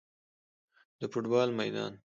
د فوټبال میدان